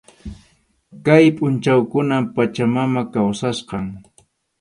Kay pʼunchawkunam Pachamama kawsachkan.